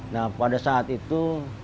nah pada saat itu delapan puluh tujuh